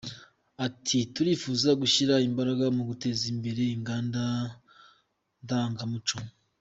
Ati” Turifuza gushyira imbaraga mu guteza imbere inganda ndangamuco.